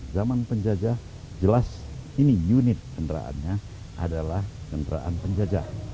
zaman penjajah jelas ini unit kendaraannya adalah kendaraan penjajah